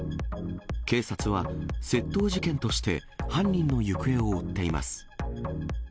警察は窃盗事件として犯人の行方を追っています。